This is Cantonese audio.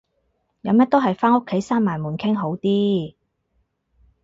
有咩都係返屋企閂埋門傾好啲